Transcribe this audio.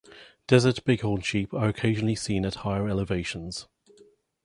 Desert bighorn sheep are occasionally seen at higher elevations.